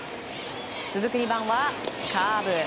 続く２番はカーブ。